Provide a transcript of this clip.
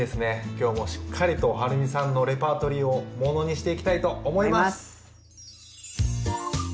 今日もしっかりとはるみさんのレパートリーをものにしていきたいと思います。